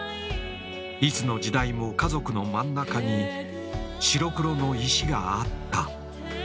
いつの時代も家族の真ん中に白黒の石があった。